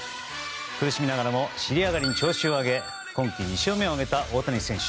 苦しみながらも尻上がりに調子を上げ今季２勝目を挙げた大谷選手。